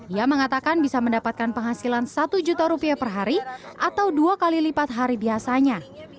ia mengatakan bisa mendapatkan penghasilan satu juta rupiah per hari atau dua kali lipat hari biasanya